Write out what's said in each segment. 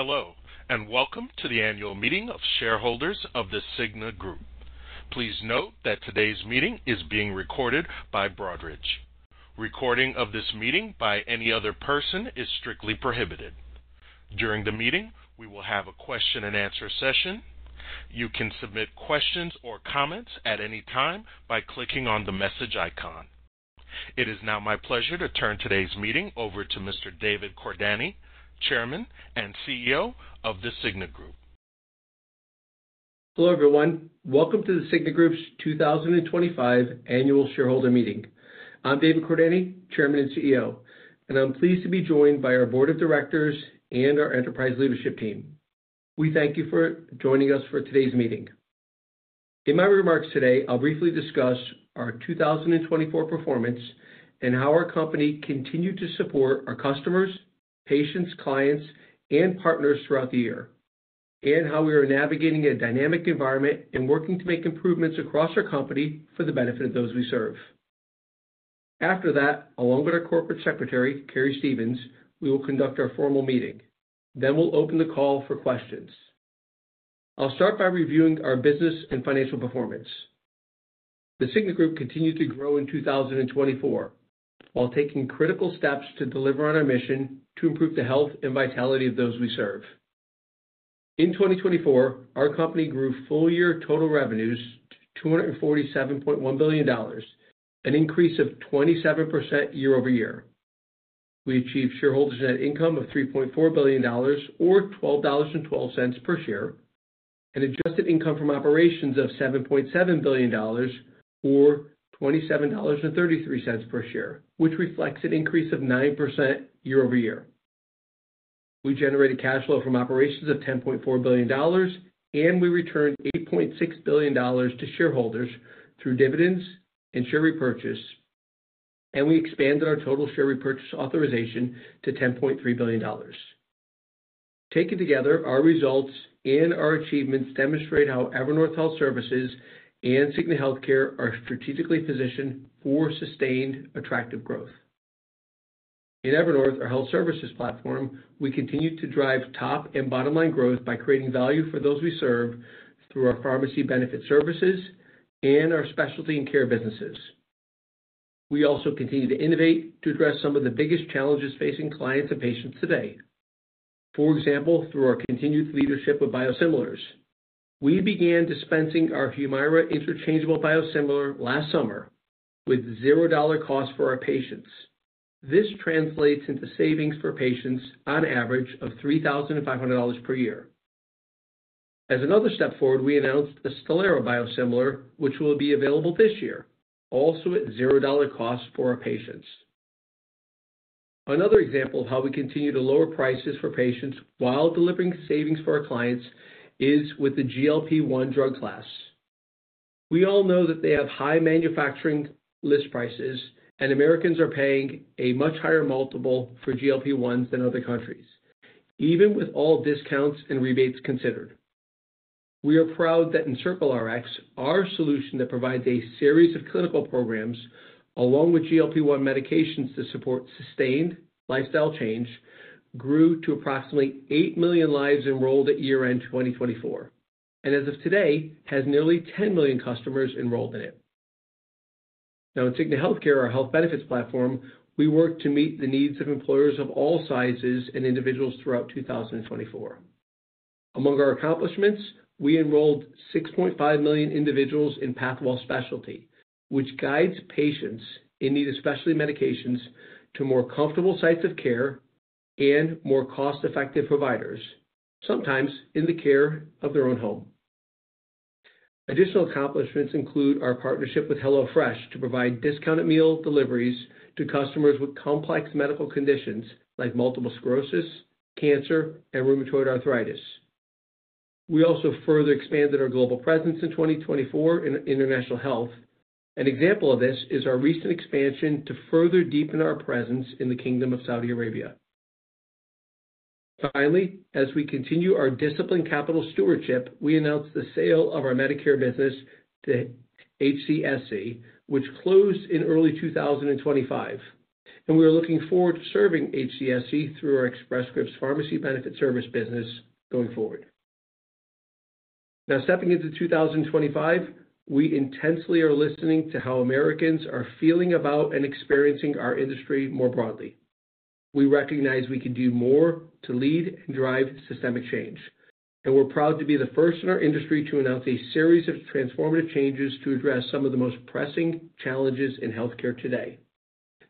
Hello and welcome to the annual meeting of shareholders of The Cigna Group. Please note that today's meeting is being recorded by Broadridge. Recording of this meeting by any other person is strictly prohibited. During the meeting we will have a question and answer session. You can submit questions or comments at any time by clicking on the message icon. It is now my pleasure to turn today's meeting over to Mr. David Cordani, Chairman and CEO of The Cigna Group. Hello everyone. Welcome to The Cigna Group's 2025 annual shareholder meeting. I'm David Cordani, Chairman and CEO, and I'm pleased to be joined by our Board of Directors and our enterprise leadership team. We thank you for joining us for today's meeting. In my remarks today, I'll briefly discuss our 2024 performance and how our company continues to support our customers, patients, clients, and partners throughout the year and how we are navigating a dynamic environment and working to make improvements across our company for the benefit of those we serve. After that, along with our Corporate Secretary, Kari Stevens, we will conduct our formal meeting. We will open the call for questions. I'll start by reviewing our business and financial performance. The Cigna Group continues to grow in 2024 while taking critical steps to deliver on our mission to improve the health and vitality of those we serve. In 2024, our company grew full year total revenues to $247.1 billion, an increase of 27% year over year. We achieved shareholders net income of $3.4 billion or $12.12 per share, and adjusted income from operations of $7.7 billion or $27.33 per share, which reflects an increase of 9% year over year. We generated cash flow from operations of $10.4 billion and we returned $8.6 billion to shareholders through dividends and share repurchase and we expanded our total share repurchase authorization to $10.3 billion. Taken together, our results and our achievements demonstrate how Evernorth Health Services and Cigna Healthcare are strategically positioned for sustained, attractive growth in Evernorth, our health services platform. We continue to drive top and bottom line growth by creating value for those we serve through our pharmacy benefit services and our specialty and care businesses. We also continue to innovate to address some of the biggest challenges facing clients and patients today. For example, through our continued leadership of biosimilars, we began dispensing our Humira interchangeable biosimilar last summer with $0 cost for our patients. This translates into savings for patients on average of $3,500 per year. As another step forward, we announced the Stelara Biosimilar which will be available this year also at zero dollar cost for our patients. Another example of how we continue to lower prices for patients while delivering savings for our clients is with the GLP-1 drug class. We all know that they have high manufacturing list prices and Americans are paying a much higher multiple for GLP-1s than other countries even with all discounts and rebates considered. We are proud that EncircleRx, our solution that provides a series of clinical programs along with GLP-1 medications to support sustained lifestyle change, grew to approximately 8 million lives enrolled at year end 2024 and as of today has nearly 10 million customers enrolled in it. Now in Cigna Healthcare, our health benefits platform, we work to meet the needs of employers of all sizes and individuals throughout 2024. Among our accomplishments, we enrolled 6.5 million individuals in Pathwell Specialty, which guides patients in need of specialty medications to more comfortable sites of care and more cost effective providers, sometimes in the care of their own home. Additional accomplishments include our partnership with HelloFresh to provide discounted meal deliveries to customers with complex medical conditions like multiple sclerosis, cancer and rheumatoid arthritis. We also further expanded our global presence in 2024 in international health. An example of this is our recent expansion to further deepen our presence in the Kingdom of Saudi Arabia. Finally, as we continue our disciplined capital stewardship, we announced the sale of our Medicare business to HCSE which closed in early 2025, and we are looking forward to serving HCSE through our Express Scripts Pharmacy benefit service business going forward. Now, stepping into 2025, we intensely are listening to how Americans are feeling about and experiencing our industry more broadly. We recognize we can do more to lead and drive systemic change, and we're proud to be the first in our industry to announce a series of transformative changes to address some of the most pressing challenges in health care today.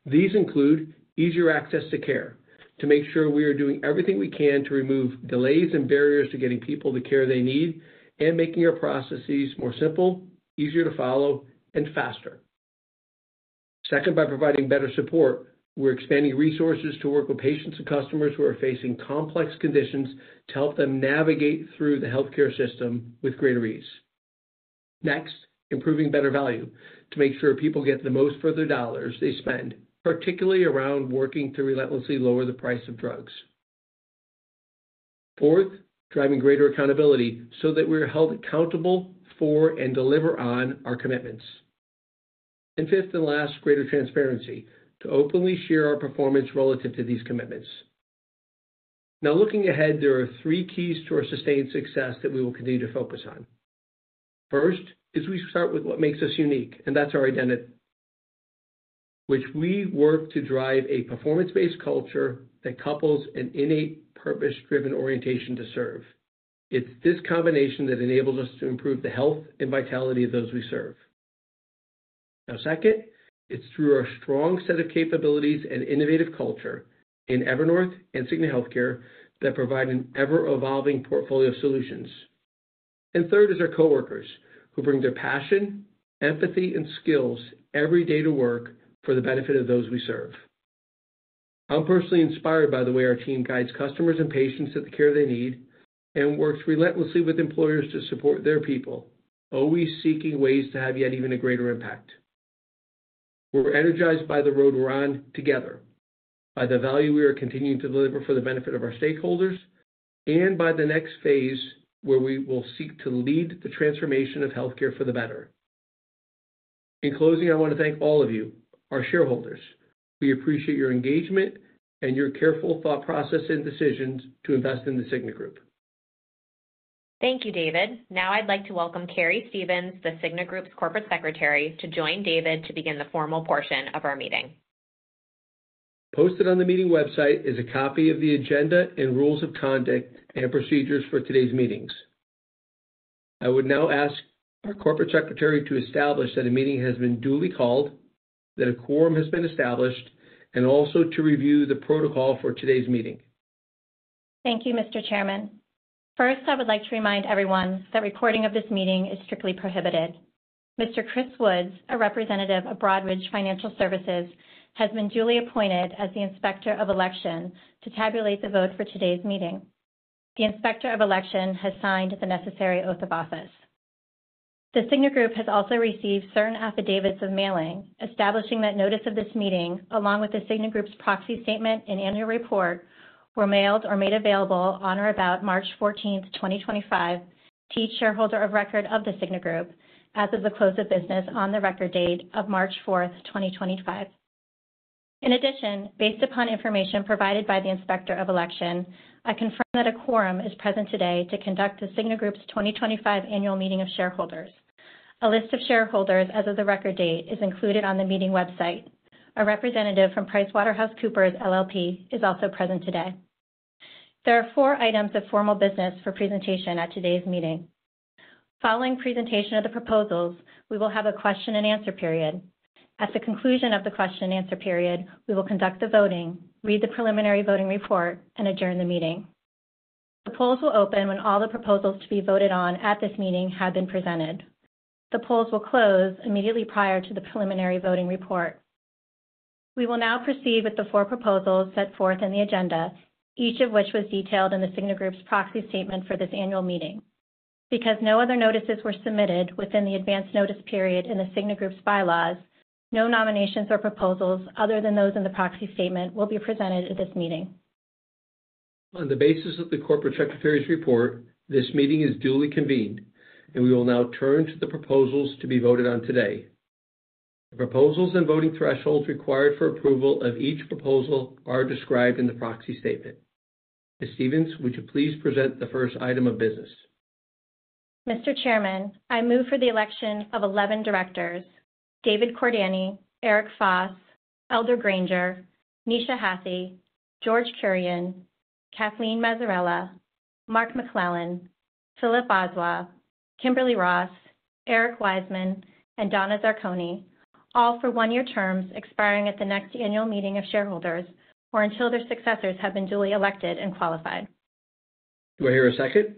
These include easier access to care to make sure we are doing everything we can to remove delays and barriers to getting people the care they need and making our processes more simple, easier to follow, and faster. Second, by providing better support, we're expanding resources to work with patients and customers who are facing complex conditions to help them navigate through the healthcare system with greater ease. Next, improving better value to make sure people get the most for their dollars they spend, particularly around working to relentlessly lower the price of drugs. Fourth, driving greater accountability so that we're held accountable for and deliver on our commitments. Fifth and last, greater transparency to openly share our performance relative to these commitments. Now, looking ahead, there are three keys to our sustained success that we will continue to focus on. First is we start with what makes us unique and that's our identity which we work to drive. A performance-based culture that couples an innate purpose-driven orientation to serve. It's this combination that enables us to improve the health and vitality of those we serve now. Second, it's through our strong set of capabilities and innovative culture in Evernorth and Cigna Healthcare that provide an ever-evolving portfolio of solutions. Third is our coworkers who bring their passion, empathy and skills every day to work for the benefit of those we serve. I'm personally inspired by the way our team guides customers and patients at the care they need and works relentlessly with employers to support their people, always seeking ways to have yet even a greater impact. We're energized by the road we're on together, by the value we are continuing to deliver for the benefit of our stakeholders and by the next phase where we will seek to lead the transformation of healthcare for the better. In closing, I want to thank all of you, our shareholders. We appreciate your engagement and your careful thought process and decisions to invest in The Cigna Group. Thank you, David. Now I'd like to welcome Kari Stevens, The Cigna Group's Corporate Secretary, to join David to begin the formal portion of our meeting. Posted on the meeting website is a copy of the agenda and rules of conduct and procedures for today's meetings. I would now ask our Corporate Secretary to establish that a meeting has been duly called, that a quorum has been established, and also to review the protocol for today's meeting. Thank you, Mr. Chairman. First, I would like to remind everyone that recording of this meeting is strictly prohibited. Mr. Chris Woods, a representative of Broadridge Financial Services, has been duly appointed as the Inspector of Election to tabulate the vote for today's meeting. The Inspector of Election has signed the necessary oath of office. The Cigna Group has also received certain affidavits of mailing establishing that notice of this meeting along with The Cigna Group's proxy statement and annual report were mailed or made available on or about March 14, 2025 to each shareholder of record of The Cigna Group as of the close of business on the record date of March 4, 2025. In addition, based upon information provided by the Inspector of Election, I confirm that a quorum is present today to conduct The Cigna Group's 2025 annual meeting of shareholders. A list of shareholders as of the record date is included on the meeting website. A representative from PricewaterhouseCoopers LLP is also present today. There are four items of formal business for presentation at today's meeting. Following presentation of the proposals, we will have a question and answer period. At the conclusion of the question and answer period, we will conduct the voting, read the preliminary voting report, and adjourn the meeting. The polls will open when all the proposals to be voted on at this meeting have been presented. The polls will close immediately prior to the preliminary voting report. We will now proceed with the four proposals set forth in the agenda, each of which was detailed in The Cigna Group's proxy statement for this annual meeting. Because no other notices were submitted within the advance notice period in The Cigna Group's bylaws, no nominations or proposals other than those in the proxy statement will be presented at this meeting. On the basis of the Corporate Secretary's report, this meeting is duly convened and we will now turn to the proposals to be voted on today. Proposals and voting thresholds required for approval of each proposal are described in the proxy statement. Ms. Stevens, would you please present the first item of business? Mr. Chairman, I move for the election of 11 directors. David Cordani and Eric Foss, Elder Granger, Neesha Hathi, George Kurian, Kathleen Mazzarella, Mark McClellan, Philip Ozuah, Kimberly Ross, Eric Wiseman and Donna Zarconi, all for one year terms expiring at the next annual meeting of shareholders or until their successors have been duly elected and qualified. Do I hear a second?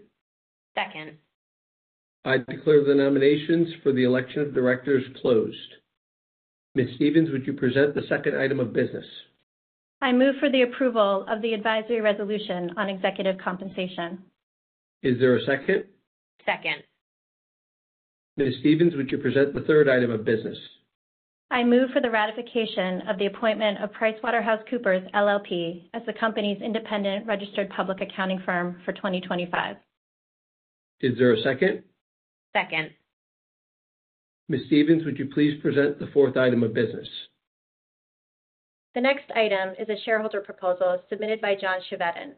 Second. I declare the nominations for the election of directors closed. Ms. Stevens, would you present the second item of business? I move for the approval of the advisory resolution on executive compensation. Is there a second? Second. Ms. Stevens, would you present the third item of business? I move for the ratification of the appointment of PricewaterhouseCoopers LLP as the company's independent registered public accounting firm for 2025. Is there a second? Second. Ms. Stevens, would you please present the fourth item of business? The next item is a shareholder proposal submitted by John Chevedden.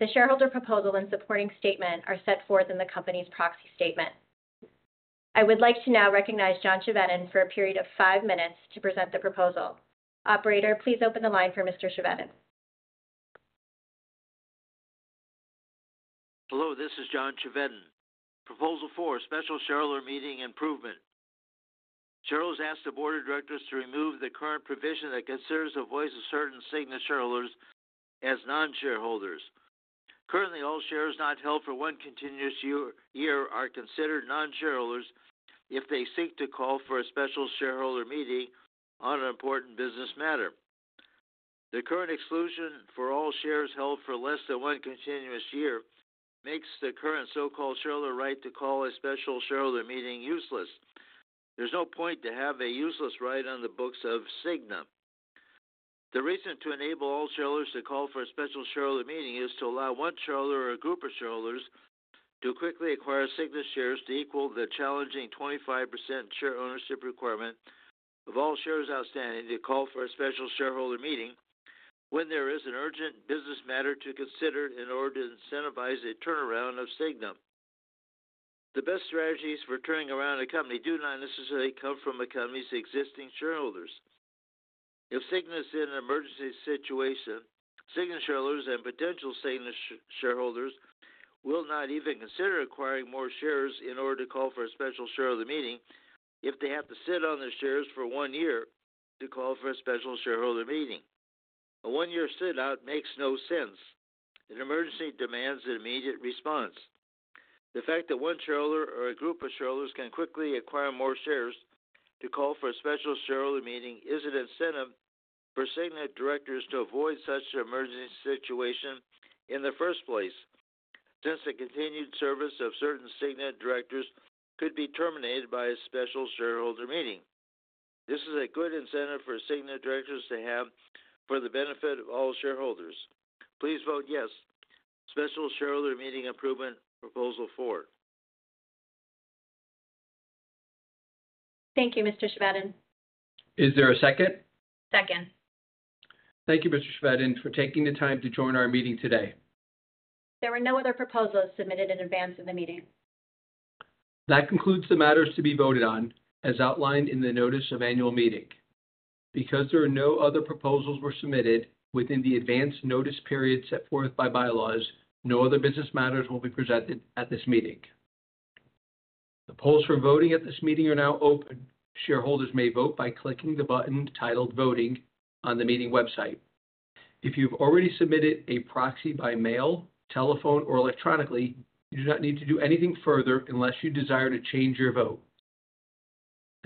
The shareholder proposal and supporting statement are set forth in the company's proxy statement. I would like to now recognize John Chevedden for a period of five minutes to present the proposal. Operator, please open the line for Mr. Chevedden. Hello, this is John Chevedden. Proposal four, special shareholder meeting improvement. Shareholders ask the board of directors to remove the current provision that considers the voice of certain signatures as non shareholders. Currently, all shares not held for one continuous year are considered non shareholders if they seek to call for a special shareholder meeting on an important business matter. The current exclusion for all shares held for less than one continuous year makes the current so called shareholder right to call a special shareholder meeting useless. There's no point to have a useless right on the books of Cigna. The reason to enable all shareholders to call for a special shareholder meeting is to allow one shareholder or a group of shareholders to quickly acquire Cigna shares to equal the challenging 25% share ownership requirement of all shares outstanding to call for a special shareholder meeting when there is an urgent business matter to consider in order to incentivize a turnaround of Cigna. The best strategies for turning around a company do not necessarily come from a company's existing shareholders. If Cigna is in an emergency situation, Cigna shareholders and potential Cigna shareholders will not even consider acquiring more shares in order to call for a special share of the meeting. If they have to sit on their shares for one year to call for a special shareholder meeting, a one year sit out makes no sense. An emergency demands an immediate response. The fact that one shareholder or a group of shareholders can quickly acquire more shares to call for a special shareholder meeting is an incentive for Cigna directors to avoid such an emergency situation in the first place. Since the continued service of certain Cigna directors could be terminated by a special shareholder meeting, this is a good incentive for Cigna directors to have for the benefit of all shareholders. Please vote yes Special Shareholder Meeting Improvement. Proposal 4. Thank you, Mr. Chevedden. Is there a second? Second. Thank you, Mr. Chevedden, for taking the time to join our meeting today. There were no other proposals submitted in advance of the meeting. That concludes the matters to be voted on as outlined in the Notice of Annual Meeting. Because no other proposals were submitted within the advance notice period set forth by bylaws, no other business matters will be presented at this meeting. The polls for voting at this meeting are now open. Shareholders may vote by clicking the button titled Voting on the meeting website. If you've already submitted a proxy by mail, telephone, or electronically, you do not need to do anything further unless you desire to change your vote.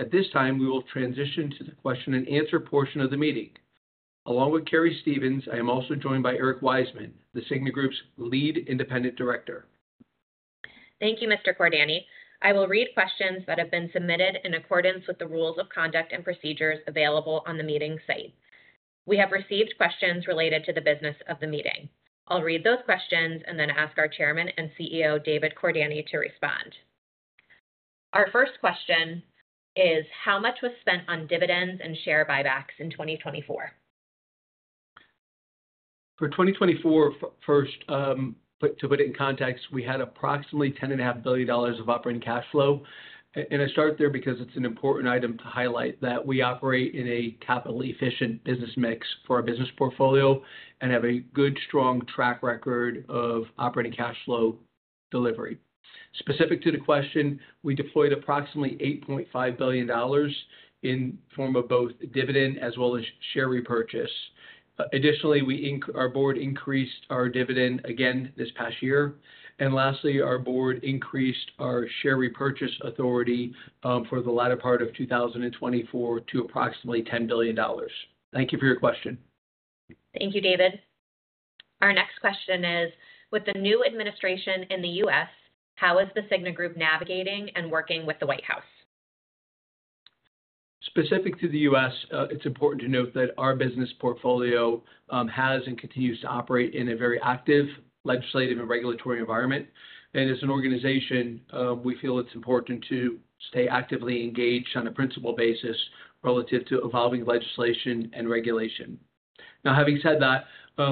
At this time, we will transition to the question and answer portion of the meeting. Along with Kerry Stevens, I am also joined by Eric Wiseman, The Cigna Group's Lead Independent Director. Thank you, Mr. Cordani. I will read questions that have been submitted in accordance with the rules of conduct and procedures available on the meeting site. We have received questions related to the business of the meeting. I'll read those questions and then ask our Chairman and CEO David Cordani to respond. Our first question is how much was spent on dividends and share buybacks in 2024? For 2024, first, to put it in context, we had approximately $10.5 billion of operating cash flow. I start there because it's an important item to highlight that we operate in a capital efficient business mix for our business port and have a good strong track record of operating cash flow delivery. Specific to the question, we deployed approximately $8.5 billion in form of both dividend as well as share repurchase. Additionally, our board increased our dividend again this past year and lastly, our board increased our share repurchase authority for the latter part of 2024 to approximately $10 billion. Thank you for your question. Thank you, David. Our next question is with the new administration in the U.S., how is The Cigna Group navigating and working with the. White House. Specific to the U.S., it's important to note that our business portfolio has and continues to operate in a very active legislative and regulatory environment, and as an organization we feel it's important to stay actively engaged on a principal basis relative to evolving legislation and regulation. Now, having said that,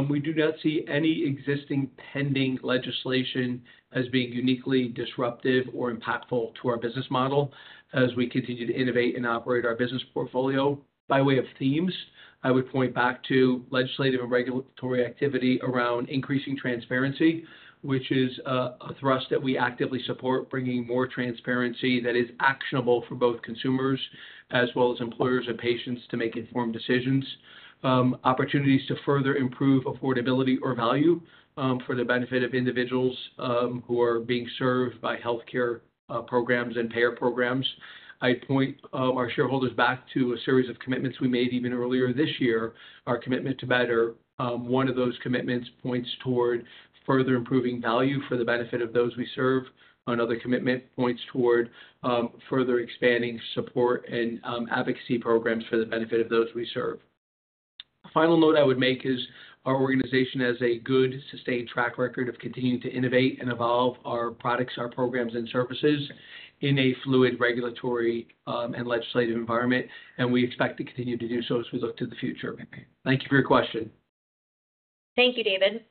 we do not see any existing pending legislation as being uniquely disruptive or impactful to our business model as we continue to innovate and operate our business portfolio. By way of themes, I would point back to legislative and regulatory activity around increasing transparency, which is a thrust that we actively support, bringing more transparency that is actionable for both consumers as well as employers and patients to make informed decisions, opportunities to further improve affordability or value for the benefit of individuals who are being served by health care programs and payer programs. I point our shareholders back to a series of commitments we made even earlier this year. Our commitment to better one of those commitments points toward further improving value for the benefit of those we serve. Another commitment points toward further expanding support and advocacy programs for the benefit of those we serve. A final note I would make is our organization has a good sustained track record of continuing to innovate and evolve our products, our programs and services in a fluid regulatory and legislative environment. We expect to continue to do so as we look to the future. Thank you for your question. Thank you, David.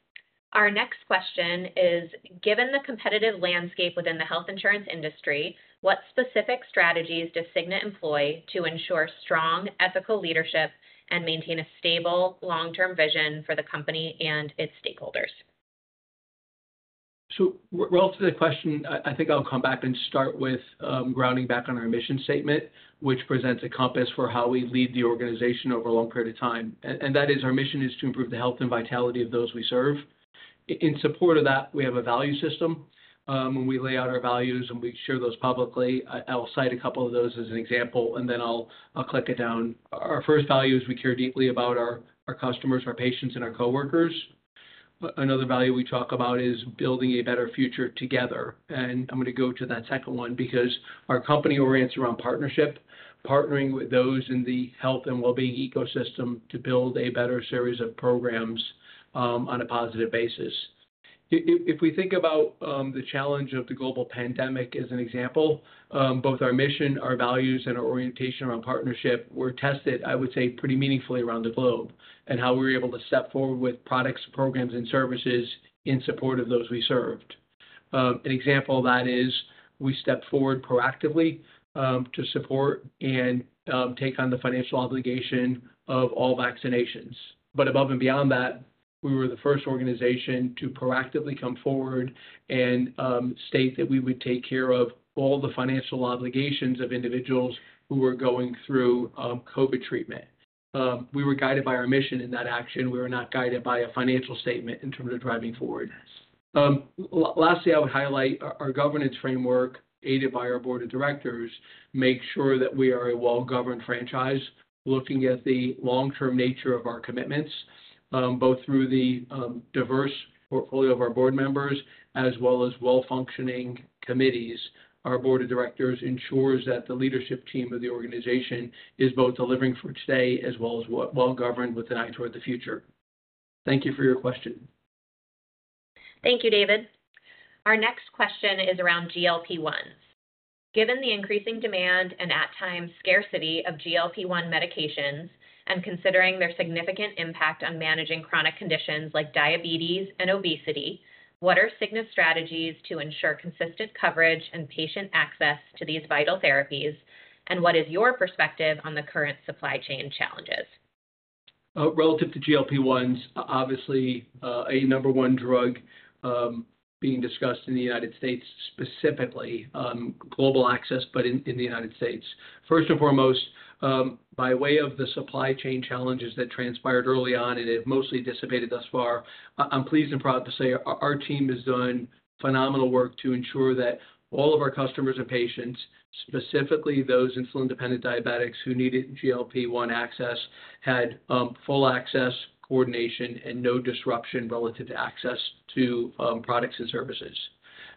Our next question is, given the competitive landscape within the health insurance industry, what specific strategies does Cigna employ to ensure strong ethical leadership and maintain a stable long term vision for the company and its stakeholders? Relative to the question, I think I'll come back and start with grounding back on our mission statement, which presents a compass for how we lead the organization over a long period of time. That is, our mission is to improve the health and vitality of those we serve. In support of that, we have a value system when we lay out our values and we share those publicly. I'll cite a couple of those as an example and then I'll click it down. Our first value is we care deeply about our customers, our patients and our coworkers. Another value we talk about is building a better future together. I'm going to go to that second one because our company orients around partnership, partnering with those in the health and wellbeing ecosystem to build a better series of programs on a positive basis. If we think about the challenge of the global pandemic as an example, both our mission, our values and our orientation around partnership were tested, I would say pretty meaningfully around the globe and how we were able to step forward with products, programs and services in support of those we served. An example of that is we stepped forward proactively to support and take on the financial obligation of all vaccinations. Above and beyond that, we were the first organization to proactively come forward and state that we would take care of all the financial obligations of individuals who were going through Covid treatment. We were guided by our mission in that action. We were not guided by a financial statement in terms of driving forward. Lastly, I would highlight our governance framework aided by our Board of Directors. Make sure that we are a well governed franchise. Looking at the long term nature of our commitments, both through the diverse portfolio of our board members as well as well functioning committees. Our Board of Directors ensures that the leadership team of the organization is both delivering for today as well as well governed with an eye toward the future. Thank you for your question. Thank you, David. Our next question is around GLP-1s. Given the increasing demand and at times scarcity of GLP-1 medications and considering their significant impact on managing chronic conditions like diabetes and obesity, what are Cigna's strategies to ensure consistent coverage and patient access to these vital therapies? What is your perspective on the current supply chain challenges relative to GLP-1s? Obviously a number one drug being discussed in the United States, specifically Global Access, but in the United States, first and foremost by way of the supply chain challenges that transpired early on and it mostly dissipated thus far. I'm pleased and proud to say our team has done phenomenal work to ensure that all of our customers and patients, specifically those insulin dependent diabetics who needed GLP-1 access had full access coordination and no disruption relative to access to products and services.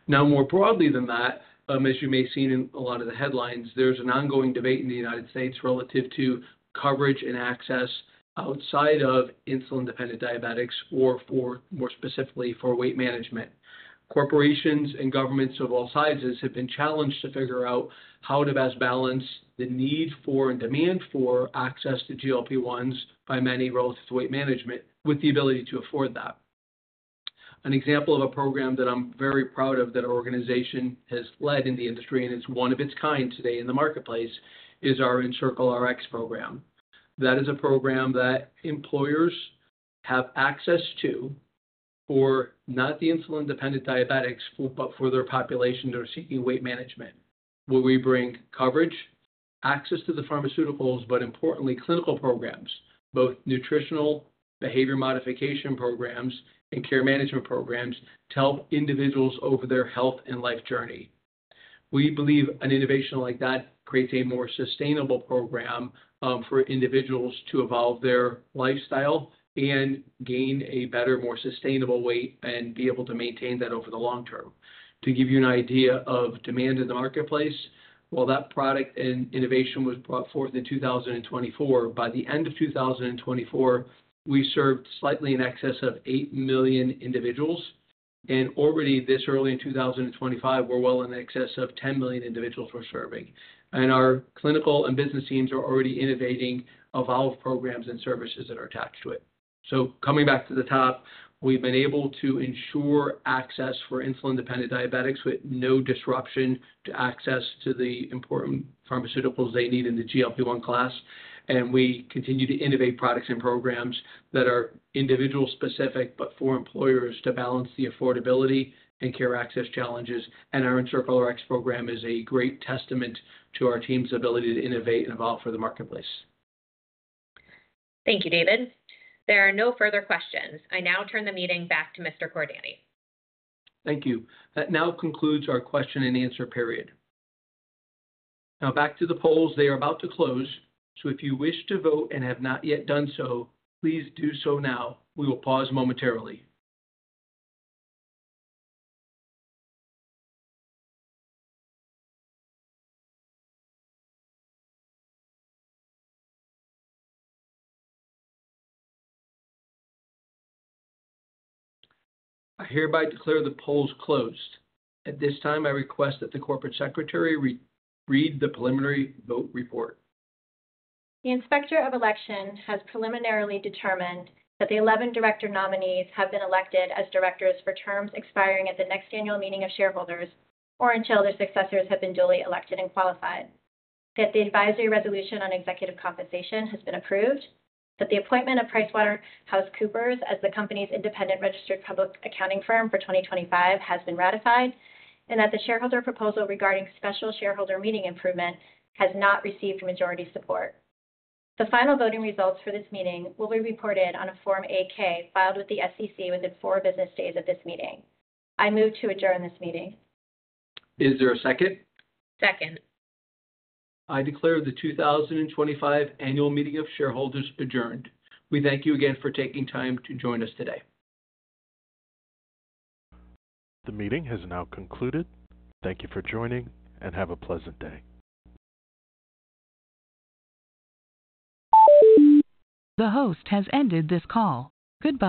Now, more broadly than that, as you may have seen in a lot of the headlines, there's an ongoing debate in the United States relative to coverage and access outside of insulin dependent diabetics or more specifically for weight management. Corporations and governments of all sizes have been challenged to figure out how to best balance the need for and demand for access to GLP-1s by many relative to weight management with the ability to afford that. An example of a program that I'm very proud of that our organization has led in the industry and it's one of its kind today in the marketplace is our EncirClerx program. That is a program that employers have access to for not the insulin dependent diabetics, but for their population that are seeking weight management where we bring coverage, access to the pharmaceuticals, but importantly clinical programs, both nutritional behavior modification programs and care management programs to help individuals over their health and life journey. We believe an innovation like that creates a more sustainable program for individuals to evolve their lifestyle and gain a better, more sustainable weight and be able to maintain that over the long term. To give you an idea of demand in the marketplace, while that product and innovation was brought forth in 2024, by the end of 2024 we served slightly in excess of 8 million individuals. Already this early in 2025, we're well in excess of 10 million individuals we're serving and our clinical and business teams are already innovating, evolve programs and services that are attached to it. Coming back to the top, we've been able to ensure access for insulin dependent diabetics with no disruption, access to the important pharmaceuticals they need in the GLP-1 class. We continue to innovate products and programs that are individual specific, but for employers to balance the affordability and care access challenges, and our EncirClerx program is a great testament to our team's ability to innovate and evolve for the marketplace. Thank you, David. There are no further questions. I now turn the meeting back to Mr. Cordani. Thank you. That now concludes our question and answer period. Now back to the polls. They are about to close, so if you wish to vote and have not yet done so, please do so now. We will pause momentarily. I hereby declare the polls closed at this time. I request that the Corporate Secretary read the preliminary vote report. The inspector of election has preliminarily determined that the 11 director nominees have been elected as directors for terms expiring at the next annual meeting of shareholders or until their successors have been duly elected and qualified, that the advisory resolution on executive compensation has been approved, that the appointment of PricewaterhouseCoopers as the company's independent registered public accounting firm for 2025 has been ratified, and that the shareholder proposal regarding special shareholder meeting improvement has not received majority support. The final voting results for this meeting will be reported on a Form 8-K filed with the SEC within four business days. Days of this meeting. I move to adjourn this meeting. Is there a second? Second. I declare the 2025 annual meeting of shareholders adjourned. We thank you again for taking time to join us today. The meeting has now concluded. Thank you for joining and have a pleasant day. The host has ended this call. Goodbye.